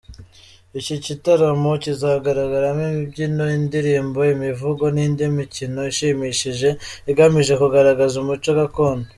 Iki gitaramo kizagaragaramo imbyino, indirimbo, imivugo n’indi mikino ishimishije igamije kugaragaza umuco gakondo.